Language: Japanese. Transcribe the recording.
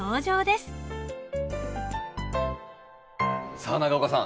さあ長岡さん